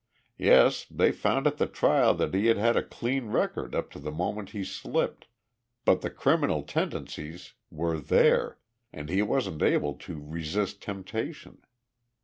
"Yes they found at the trial that he had had a clean record up to the moment he slipped, but the criminal tendencies were there and he wasn't able to resist temptation.